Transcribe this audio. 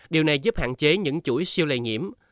điều này giúp hạn chế những chuỗi siêu lây nhiễm